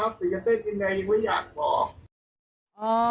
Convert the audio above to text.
วิซิกวีดีโอนี่คือ